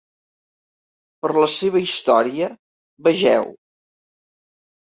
Per la seva història vegeu: